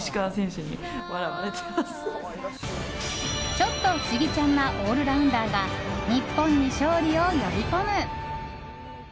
ちょっと不思議ちゃんなオールラウンダーが日本に勝利を呼び込む！